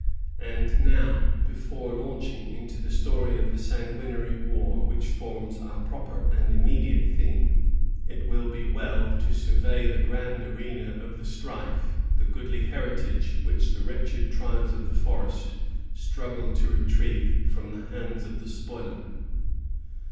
And now, before launching into the story of the sanguinary war which forms our proper and immediate theme, it will be well to survey the grand arena of the strife, the goodly heritage which the wretched tribes of the forest struggled to retrieve from the hands of the spoiler.